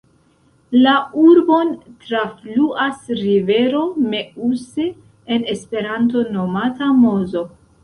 La urbon trafluas rivero Meuse, en Esperanto nomata Mozo.